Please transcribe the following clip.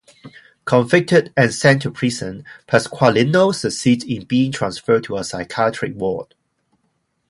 Convicted and sent to prison, Pasqualino succeeds in being transferred to a psychiatric ward.